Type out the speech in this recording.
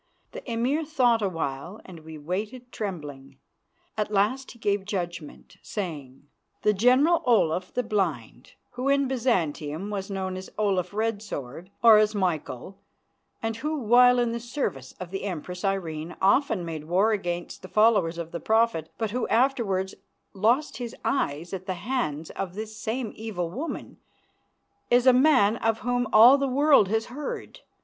The Emir thought a while, and we waited trembling. At last he gave judgment, saying: "The General Olaf the Blind, who in Byzantium was known as Olaf Red Sword or as Michael, and who while in the service of the Empress Irene often made war against the followers of the Prophet, but who afterwards lost his eyes at the hands of this same evil woman, is a man of whom all the world has heard.